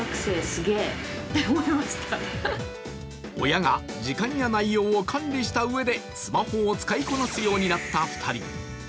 親が時間や内容を管理したうえでスマホを使いこなすようになった２人。